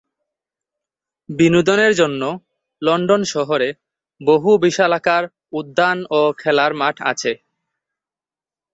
বিনোদনের জন্য লন্ডন শহরে বহু বিশালাকার উদ্যান ও খেলার মাঠ আছে।